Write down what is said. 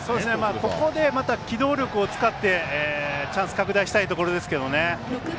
ここでまた機動力を使ってチャンス拡大したいところですけどね。